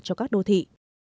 cho các đô thị